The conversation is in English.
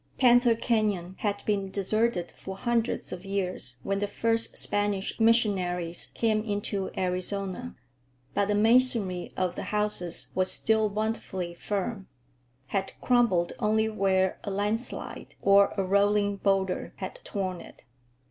Panther Canyon had been deserted for hundreds of years when the first Spanish missionaries came into Arizona, but the masonry of the houses was still wonderfully firm; had crumbled only where a landslide or a rolling boulder had torn it.